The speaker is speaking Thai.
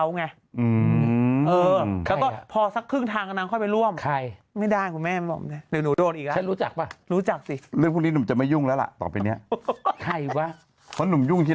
ได้เดินทางไปร่วมกิจกรรมเตะฟุตบอลในพื้นที่